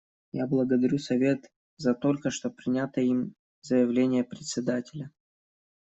Я благодарю Совет за только что принятое им заявление Председателя.